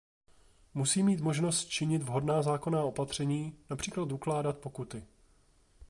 Musí mít možnost činit vhodná zákonná opatření, například ukládat pokuty.